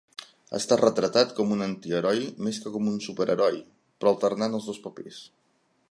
Ha estat retratat com un antiheroi més que com superheroi, però alternant els dos papers.